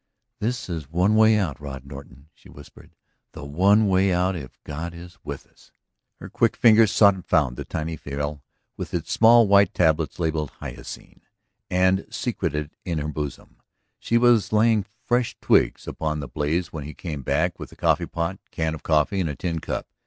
"This is the one way out, Rod Norton!" she whispered. "The one way out if God is with us." Her quick fingers sought and found the tiny phial with its small white tablets ... labelled Hyoscine ... and secreted it in her bosom. She was laying fresh twigs upon the blaze when he came back with the coffee pot, can of coffee, and a tin cup.